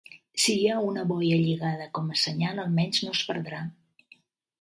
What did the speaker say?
Si hi ha una boia lligada com a senyal almenys no es perdrà.